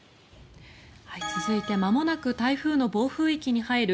続いてまもなく台風の暴風域に入る